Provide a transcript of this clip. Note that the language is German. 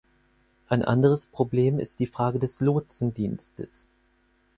Ein anderes Problem ist die Frage des Lotsendienstes.